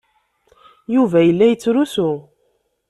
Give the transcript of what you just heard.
Yuba yella yettrusu.